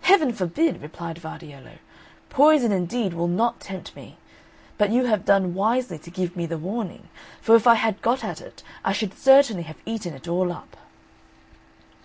"Heaven forbid!" replied Vardiello, "poison indeed will not tempt me; but you have done wisely to give me the warning; for if I had got at it, I should certainly have eaten it all up."